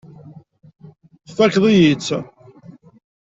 Tfakkeḍ-iyi-tt.